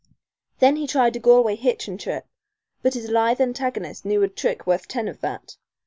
Then he tried a Galway hitch and trip, but his lithe antagonist knew a trick worth ten of that.